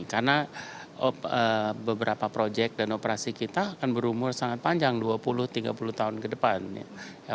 karena beberapa proyek dan operasi kita akan berumur sangat panjang dua puluh tiga puluh tahun ke depan